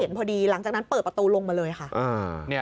พอดีหลังจากนั้นเปิดประตูลงมาเลยค่ะ